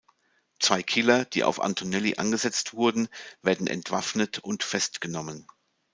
Zwei Killer, die auf Antonelli angesetzt wurden, werden entwaffnet und festgenommen.